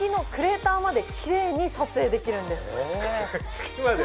月まで？